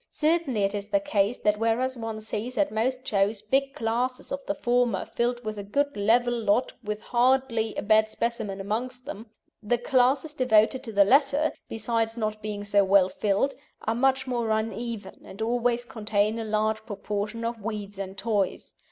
Certainly it is the case that whereas one sees at most shows big classes of the former filled with a good level lot with hardly a bad specimen amongst them, the classes devoted to the latter, besides not being so well filled, are much more uneven, and always contain a large proportion of weeds and toys.